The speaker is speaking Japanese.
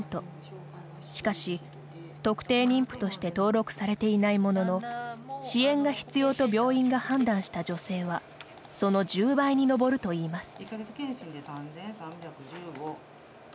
しかし、特定妊婦として登録されていないものの支援が必要と病院が判断した女性はその１０倍に上るといいます。